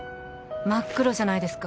真っ黒じゃないですか